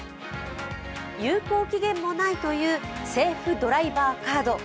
有効期限もないというセーフ・ドライバーカード。